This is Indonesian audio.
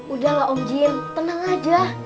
udah lah om jun tenang aja